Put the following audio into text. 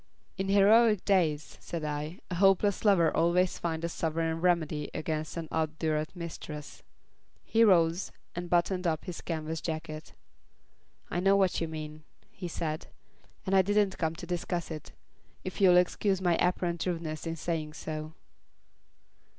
"In heroic days," said I, "a hopeless lover always found a sovereign remedy against an obdurate mistress." He rose and buttoned up his canvas jacket. "I know what you mean," he said. "And I didn't come to discuss it if you'll excuse my apparent rudeness in saying so."